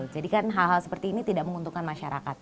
jadi kan hal hal seperti ini tidak menguntungkan masyarakat